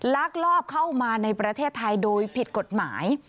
ลักลอบเข้ามาในประเทศไทยโดยผิดกฎหมาย